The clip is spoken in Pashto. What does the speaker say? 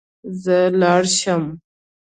زه لاړ شم